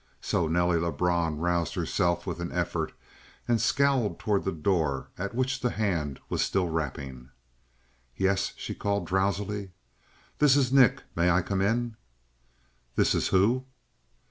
So Nelly Lebrun roused herself with an effort and scowled toward the door at which the hand was still rapping. "Yes?" she called drowsily. "This is Nick. May I come in?" "This is who?"